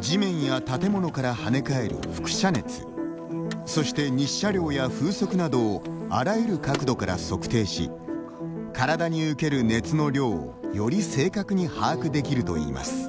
地面や建物から跳ね返るふく射熱そして日射量や風速などをあらゆる角度から測定し体に受ける熱の量をより正確に把握できるといいます。